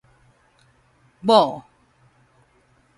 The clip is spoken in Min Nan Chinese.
某